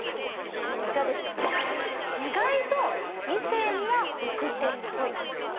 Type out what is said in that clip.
意外と異性には奥手っぽい。